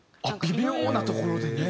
あっ微妙なところでね。